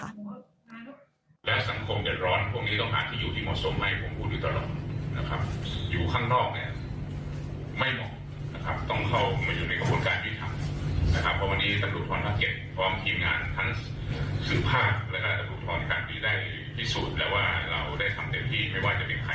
และสังคมเดี๋ยวร้อนพวกนี้ต้องหาที่อยู่ที่หมอสมไหมผมพูดอยู่ตลอดนะครับ